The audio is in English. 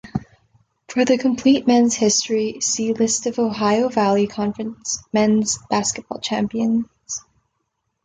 For the complete men's history, see List of Ohio Valley Conference men's basketball champions.